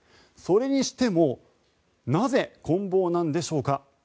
それにしてもなぜ、こん棒なのでしょうか。